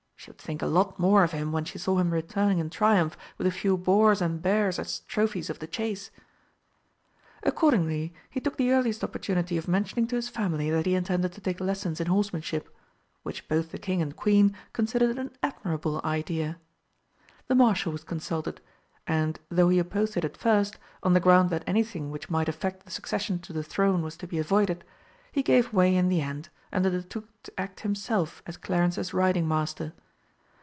She would think a lot more of him when she saw him returning in triumph with a few boars and bears as trophies of the chase. Accordingly he took the earliest opportunity of mentioning to his family that he intended to take lessons in horsemanship, which both the King and Queen considered an admirable idea. The Marshal was consulted, and though he opposed it at first, on the ground that anything which might affect the succession to the throne was to be avoided, he gave way in the end, and undertook to act himself as Clarence's riding master.